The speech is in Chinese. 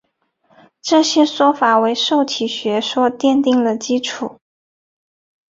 这些说法为受体学说奠定了基础。